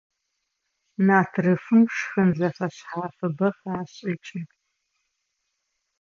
Натрыфым шхын зэфэшъхьафыбэ хашӀыкӀы.